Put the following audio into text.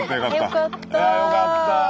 よかった。